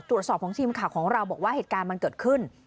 ตรวจสอบของทีมข่าวของเราบอกว่าเหตุการณ์มันเกิดขึ้น